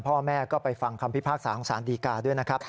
พ่อแม่ก็ไปฟังคำพิพากษาของสารดีกาด้วยนะครับ